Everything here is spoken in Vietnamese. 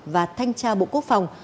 và thanh tra bộ quốc phòng